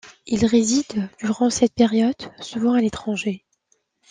Il réside, durant cette période, souvent à l'étranger.